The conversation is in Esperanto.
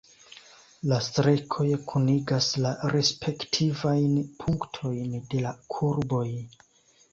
La strekoj kunigas la respektivajn punktojn de la kurboj.